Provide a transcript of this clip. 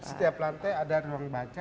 setiap lantai ada ruang baca